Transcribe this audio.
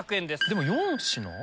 でも４品。